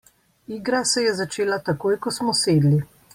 Igra se je začela takoj, ko smo sedli.